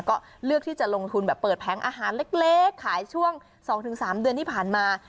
ก็เลือกที่จะลงทุนแบบเปิดแผงอาหารเล็กขายช่วง๒๓เดือนที่ผ่านมา